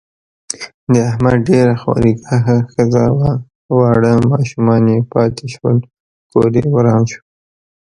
د احمد ډېره خواریکښه ښځه وه، واړه ماشومان یې پاتې شول. کوریې وران شو.